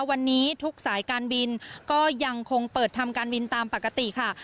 วันนี้ทุกสายการบินก็ยังคงเปิดทำการบินตามปกติค่ะ